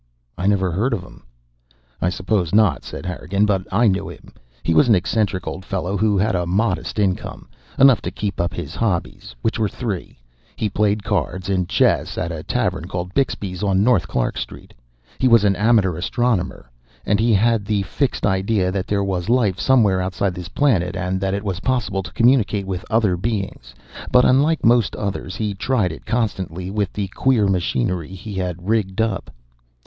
"I never heard of him." "I suppose not," said Harrigan. "But I knew him. He was an eccentric old fellow who had a modest income enough to keep up his hobbies, which were three: he played cards and chess at a tavern called Bixby's on North Clark Street; he was an amateur astronomer; and he had the fixed idea that there was life somewhere outside this planet and that it was possible to communicate with other beings but unlike most others, he tried it constantly with the queer machinery he had rigged up.